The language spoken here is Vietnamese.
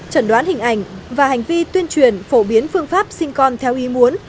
chẩn đoán hình ảnh và hành vi tuyên truyền phổ biến phương pháp sinh con theo ý muốn